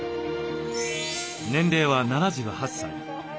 年齢は７８歳。